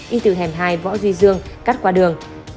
đi từ hẻm hai võ duy dương cắt qua đường